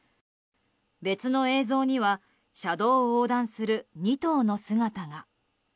別の映像には車道を横断する２頭の姿が。